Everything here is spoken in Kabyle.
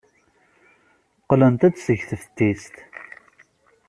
Qqlent-d seg teftist.